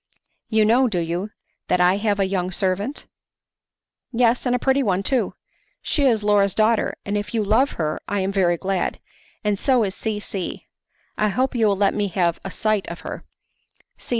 "You know, do you, that I have a young servant?" "Yes, and a pretty one, too. She is Laura's daughter, and if you love her I am very glad, and so is C C . I hope you will let me have a sight of her.